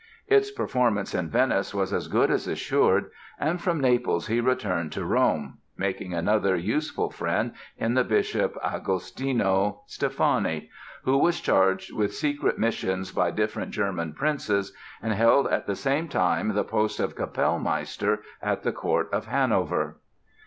Its performance in Venice was as good as assured and from Naples he returned to Rome, making another useful friend in the Bishop Agostino Steffani, who was charged with secret missions by different German princes and held at the same time the post of Kapellmeister at the Court of Hanover.